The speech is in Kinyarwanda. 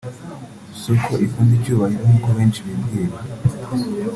si uko ikunda icyubahiro nk’uko benshi bibwira